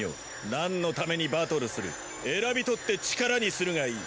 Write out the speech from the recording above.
何のためにバトルする選びとって力にするがいい。